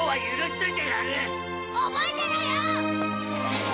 覚えてろよ！